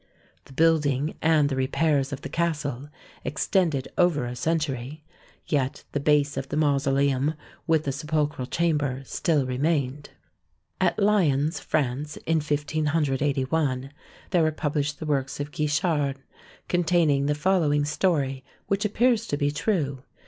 The building and the repairs of the castle extended over a cen tury, yet the base of the mausoleum with the sepulchral chamber still remained. At Lyons, France, in 1581 there were published the works of Guichard, containing the following story which appears to be true.